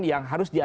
yang harus terlihat